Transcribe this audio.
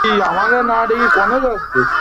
ওদের খেতে দিতে হবে।